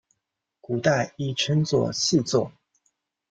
古代亦称作细作。